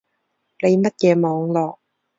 你乜嘢網路